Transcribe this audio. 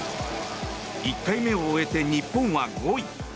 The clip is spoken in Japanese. １回目を終えて日本は５位。